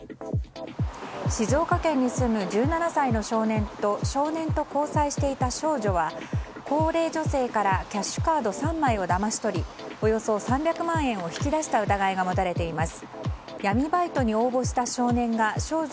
静岡県に住む１７歳の少年と少年と交際していた少女は高齢女性から、キャッシュカード３枚をだまし取りおよそ３００万円を引き出した疑いが持たれています。